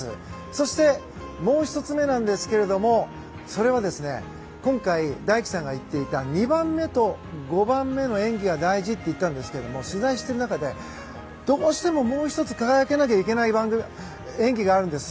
そして、もう１つ目ですけれどもそれは今回、大輝さんが言っていた２番目と５番目の演技が大事と言っていたんですけど取材している中でどうしてももう１つ輝かなきゃいけない演技があるんです。